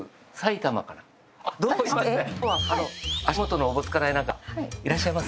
今日は足元のおぼつかないなかいらっしゃいませ。